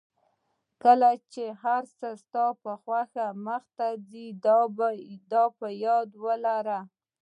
کله چې هر څه ستا په خلاف مخته ځي دا په یاد لره.